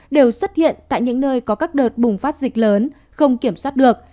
đều xuất hiện tại những nơi có các đợt bùng phát dịch lớn không kiểm soát được